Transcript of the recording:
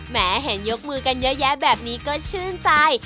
เห็นยกมือกันเยอะแยะแบบนี้ก็ชื่นใจ